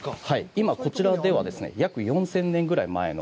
今、こちらでは、約４０００年ぐらい前の。